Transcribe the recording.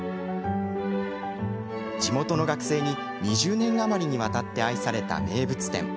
地元の学生に２０年余りにわたって愛された名物店。